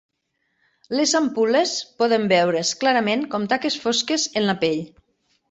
Les ampul·les poden veure's clarament com taques fosques en la pell.